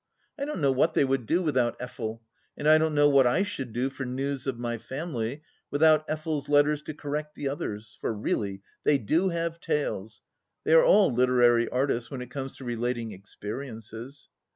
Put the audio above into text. I don't know what they would do without Effel, and I don't know what I should do for news of my family without Effel's letters to correct the others', for really, they do have tales ! They are all literary artists when it comes to relating experiences.